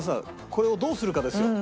これをどうするかですよ。